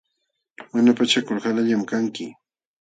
Mana pachakul qalallam kanki.